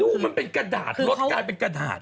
มันเป็นกระดาษรถกลายเป็นกระดาษ